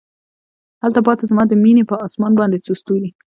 هلته پاته زما د میینې په اسمان باندې څو ستوري